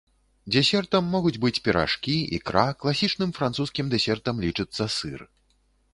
Дэсертам могуць быць піражкі, ікра, класічным французскім дэсертам лічыцца сыр.